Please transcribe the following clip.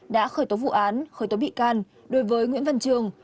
đã khởi tố vụ án khởi tố bị can đối với nguyễn văn trường